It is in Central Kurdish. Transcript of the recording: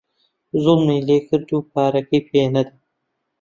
زووڵمی لێکرد و پارەکەی پێ نەدا